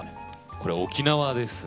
これは沖縄ですね。